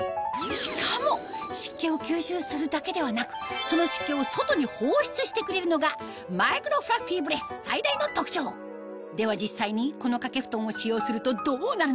しかも湿気を吸収するだけではなくその湿気を外に放出してくれるのがマイクロフラッフィーブレス最大の特徴では実際にこの掛け布団を使用するとどうなるのか